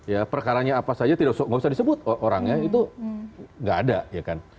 ya perkaranya apa saja tidak bisa disebut orangnya itu tidak ada